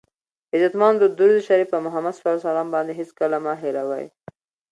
عزتمندو درود شریف په محمد ص هېڅکله مه هیروئ!